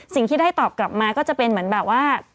สิ่งที่ได้ตอบกลับมาก็จะเป็นเหมือนแบบว่า